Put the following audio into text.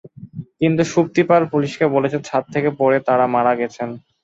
কিন্তু সুপ্তি পাল পুলিশকে বলেছে, ছাদ থেকে পড়ে তাঁরা মারা গেছেন।